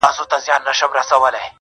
بوډا سترګي کړلي پټي په ژړا سو٫